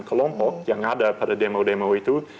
kelompok yang ada pada demo demo itu